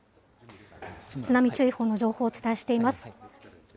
津波注意報の情報をお伝えしています。